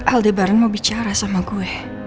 aldebaran mau bicara sama gue